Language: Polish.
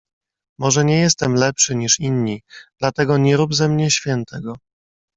"Może nie jestem lepszy, niż inni, dlatego nie rób ze mnie świętego."